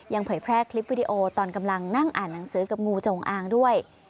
เผยแพร่คลิปวิดีโอตอนกำลังนั่งอ่านหนังสือกับงูจงอางด้วย